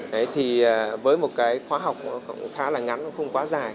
đấy thì với một cái khóa học cũng khá là ngắn không quá dài